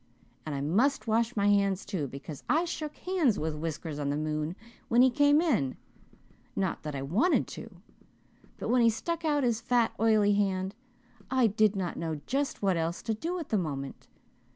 And I must wash my hands, too, because I shook hands with Whiskers on the moon when he came in not that I wanted to, but when he stuck out his fat, oily hand I did not know just what else to do at the moment.